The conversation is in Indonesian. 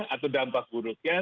atau dampak buruknya